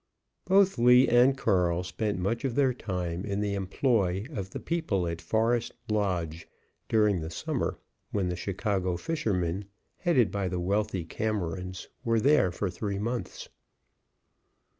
Both Lee and Carl spent much of their time in the employ of the people at Forest Lodge during the summer, when the Chicago fishermen, headed by the wealthy Camerons, were there for three months.